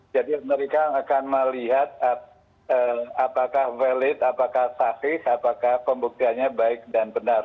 jadi mereka akan melihat apakah valid apakah sahih apakah pembuktiannya baik dan benar